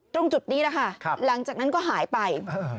ตรงจุดนี้แหละค่ะหลังจากนั้นก็หายไป